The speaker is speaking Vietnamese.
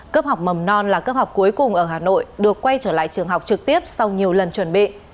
cấp học mầm non là cấp học cuối cùng ở hà nội được quay trở lại trường học trực tiếp sau nhiều lần chuẩn bị